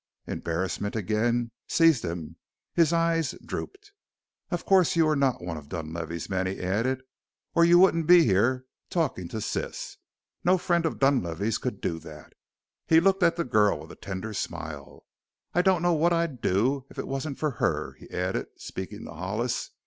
Embarrassment again seized him; his eyes drooped. "Of course you are not one of Dunlavey's men," he added, "or you wouldn't be here, talking to sis. No friend of Dunlavey's could do that." He looked at the girl with a tender smile. "I don't know what I'd do if it wasn't for her," he added, speaking to Hollis.